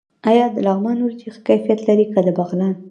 آیا د لغمان وریجې ښه کیفیت لري که د بغلان؟